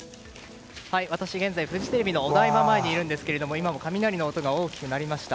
私現在、フジテレビのお台場前にいるんですが雷の音が大きくなりました。